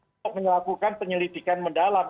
untuk melakukan penyelidikan mendalam